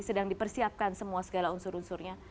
sedang dipersiapkan semua segala unsur unsurnya